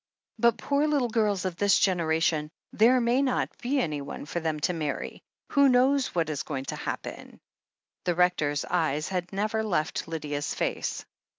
"But poor little girls of this generation, there may not be anyone for them to marry ! Who knows what is going to happen ?" The Rector's eyes had never left Lydia's face.